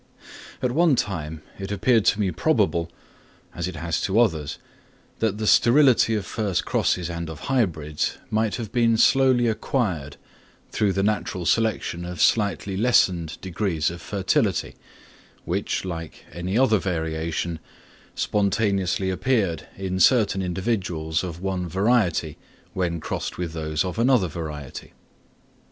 _ At one time it appeared to me probable, as it has to others, that the sterility of first crosses and of hybrids might have been slowly acquired through the natural selection of slightly lessened degrees of fertility, which, like any other variation, spontaneously appeared in certain individuals of one variety when crossed with those of another variety.